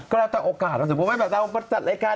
ก็แล้วตัวโอกาสอย่างน้อยสมมุติสำหรับวัตตาจัดรายการ